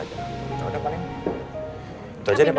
itu aja deh apa nih